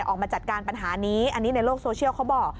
ออกมาจัดการปัญหานี้อันนี้ในโลกโซเชียลเขาบอก